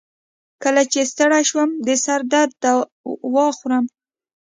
کله چې ستړی شم، د سر درد دوا خورم.